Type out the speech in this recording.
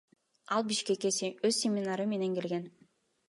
Ал Бишкекке өз семинары менен келген.